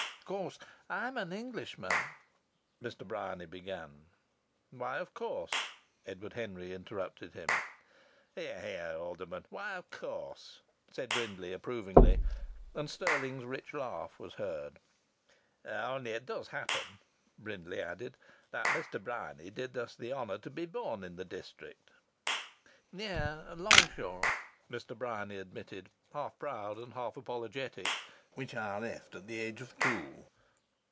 "Of course I'm an Englishman" Mr. Bryany began. "Why 'of course'?" Edward Henry interrupted him. "Hear! Hear! Alderman. Why 'of course'?" said Brindley, approvingly, and Stirling's rich laugh was heard. "Only it does just happen," Brindley added, "that Mr. Bryany did us the honour to be born in the district." "Yes! Longshaw," Mr. Bryany admitted, half proud and half apologetic. "Which I left at the age of two."